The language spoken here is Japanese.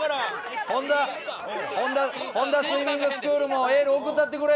本多スイミングスクールもエール送ったってくれ。